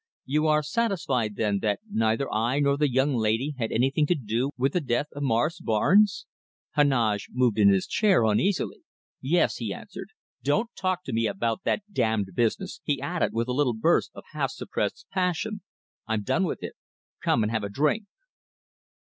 "You are satisfied, then, that neither I nor the young lady had anything to do with the death of Morris Barnes?" Heneage moved in his chair uneasily. "Yes!" he answered. "Don't talk to me about that damned business," he added, with a little burst of half suppressed passion. "I've done with it. Come and have a drink."